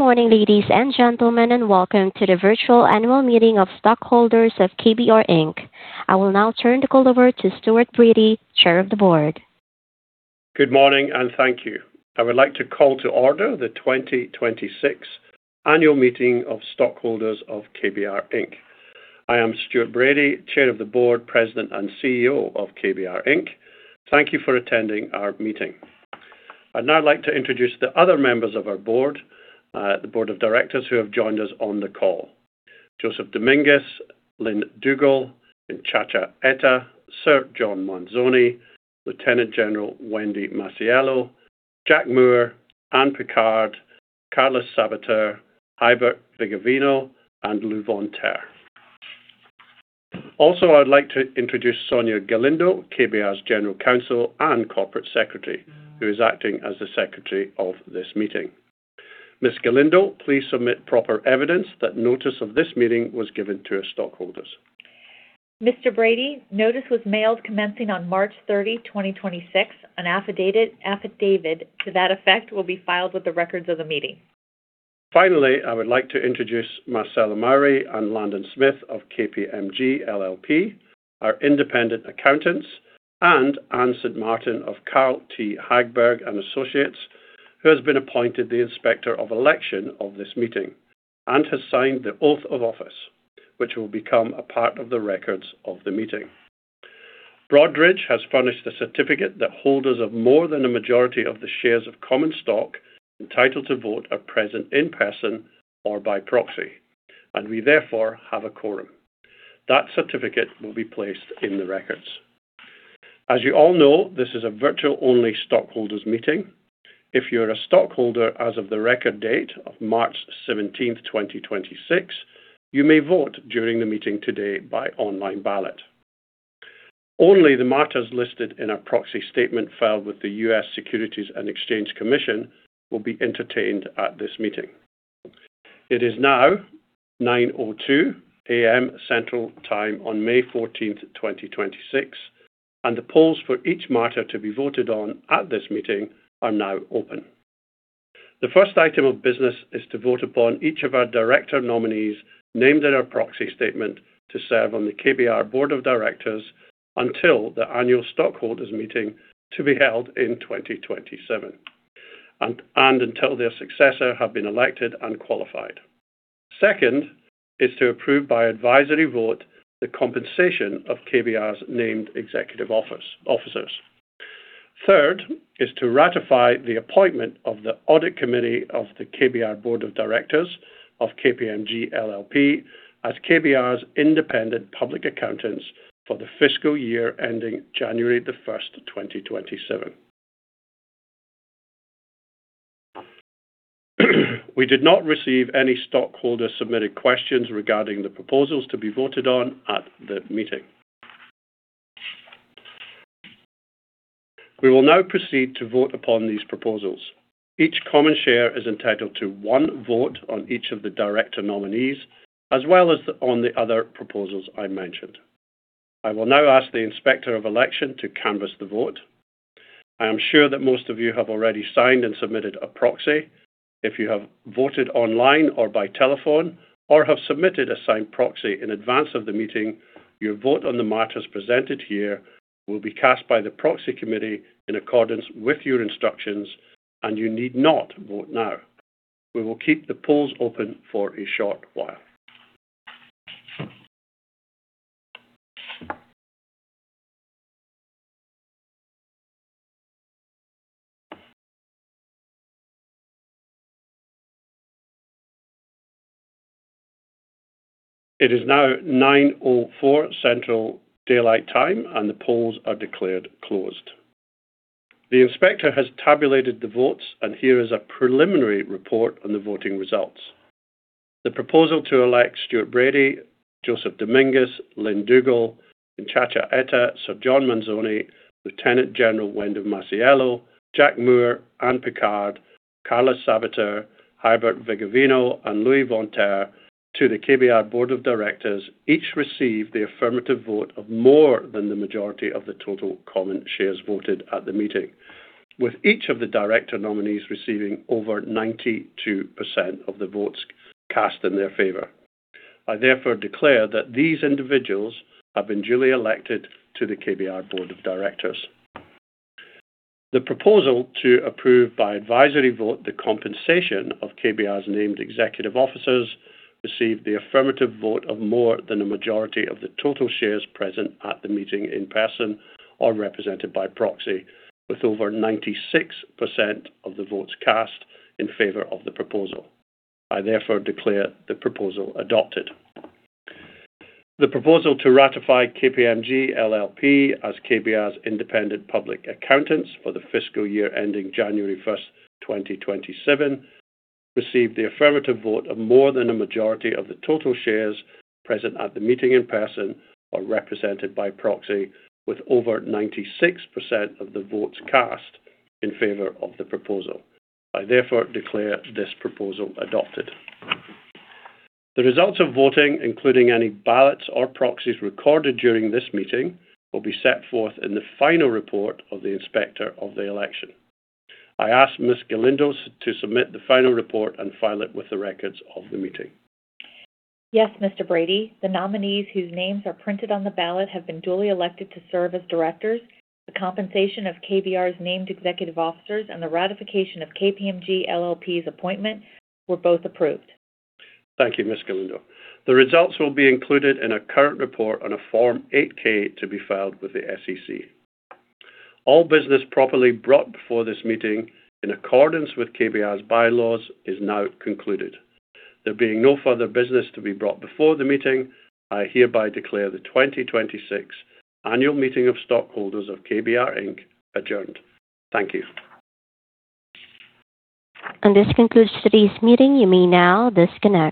Good morning, ladies and gentlemen, and welcome to the Virtual Annual Meeting of Stockholders of KBR, Inc. I will now turn the call over to Stuart Bradie, Chair of the Board. Good morning, thank you. I would like to call to order the 2026 Annual Meeting of Stockholders of KBR, Inc. I am Stuart Bradie, Chair of the Board, President, and CEO of KBR, Inc. Thank you for attending our meeting. I'd now like to introduce the other members of our Board, the Board of Directors who have joined us on the call. Joseph Dominguez, Lynn Dugle, Nchacha Etta, Sir John Manzoni, Lieutenant General Wendy Masiello, Jack Moore, Ann Pickard, Carlos Sabater, Huibert Vigeveno, and Lou Von Thaer. I would like to introduce Sonia Galindo, KBR's General Counsel and Corporate Secretary, who is acting as the Secretary of this meeting. Ms. Galindo, please submit proper evidence that notice of this meeting was given to our stockholders. Mr. Bradie, notice was mailed commencing on March 30, 2026. An affidavit to that effect will be filed with the records of the meeting. Finally, I would like to introduce Marcella Murray and Landon Smith of KPMG LLP, our independent accountants, and Ann Sidmartin of Carl T. Hagberg & Associates, who has been appointed the Inspector of Election of this meeting and has signed the Oath of Office, which will become a part of the records of the meeting. Broadridge has furnished a certificate that holders of more than a majority of the shares of common stock entitled to vote are present in person or by proxy. We therefore have a quorum. That certificate will be placed in the records. As you all know, this is a virtual-only stockholders meeting. If you're a stockholder as of the record date of March 17, 2026, you may vote during the meeting today by online ballot. Only the matters listed in our proxy statement filed with the U.S. Securities and Exchange Commission will be entertained at this meeting. It is now 9:02 A.M. Central Time on May 14th, 2026, and the polls for each matter to be voted on at this meeting are now open. The first item of business is to vote upon each of our Director nominees named in our proxy statement to serve on the KBR Board of Directors until the annual stockholders meeting to be held in 2027 and until their successor have been elected and qualified. Second is to approve by advisory vote the compensation of KBR's named Executive Officers. Third is to ratify the appointment of the audit committee of the KBR Board of Directors of KPMG LLP as KBR's independent public accountants for the fiscal year ending January the 1st, 2027. We did not receive any stockholder-submitted questions regarding the proposals to be voted on at the meeting. We will now proceed to vote upon these proposals. Each common share is entitled to one vote on each of the Director nominees as well as on the other proposals I mentioned. I will now ask the Inspector of Election to canvass the vote. I am sure that most of you have already signed and submitted a proxy. If you have voted online or by telephone or have submitted a signed proxy in advance of the meeting, your vote on the matters presented here will be cast by the proxy committee in accordance with your instructions, and you need not vote now. We will keep the polls open for a short while. It is now 9:04 A.M. Central Daylight Time, and the polls are declared closed. The Inspector has tabulated the votes, and here is a preliminary report on the voting results. The proposal to elect Stuart Bradie, Joseph Dominguez, Lynn Dugle, Nchacha Etta, Sir John Manzoni, Lieutenant General Wendy Masiello, Jack Moore, Ann Pickard, Carlos Sabater, Huibert Vigeveno, and Lou Von Thaer to the KBR Board of Directors each received the affirmative vote of more than the majority of the total common shares voted at the meeting, with each of the Director nominees receiving over 92% of the votes cast in their favor. I therefore declare that these individuals have been duly elected to the KBR Board of Directors. The proposal to approve by advisory vote the compensation of KBR's named Executive Officers received the affirmative vote of more than a majority of the total shares present at the meeting in person or represented by proxy, with over 96% of the votes cast in favor of the proposal. I therefore declare the proposal adopted. The proposal to ratify KPMG LLP as KBR's independent public accountants for the fiscal year ending January 1st, 2027 received the affirmative vote of more than a majority of the total shares present at the meeting in person or represented by proxy, with over 96% of the votes cast in favor of the proposal. I therefore declare this proposal adopted. The results of voting, including any ballots or proxies recorded during this meeting, will be set forth in the final report of the Inspector of Election. I ask Ms. Galindo to submit the final report and file it with the records of the meeting. Yes, Mr. Bradie. The nominees whose names are printed on the ballot have been duly elected to serve as directors. The compensation of KBR's named executive officers and the ratification of KPMG LLP's appointment were both approved. Thank you, Ms. Galindo. The results will be included in a current report on a Form 8-K to be filed with the SEC. All business properly brought before this meeting in accordance with KBR's bylaws is now concluded. There being no further business to be brought before the meeting, I hereby declare the 2026 Annual Meeting of Stockholders of KBR, Inc. adjourned. Thank you. This concludes today's meeting. You may now disconnect.